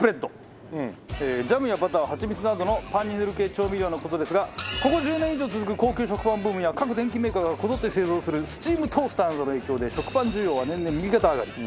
ジャムやバターハチミツなどのパンに塗る系調味料の事ですがここ１０年以上続く高級食パンブームや各電機メーカーがこぞって製造するスチームトースターなどの影響で食パン需要は年々右肩上がり。